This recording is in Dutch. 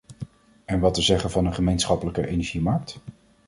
En wat te zeggen van een gemeenschappelijke energiemarkt?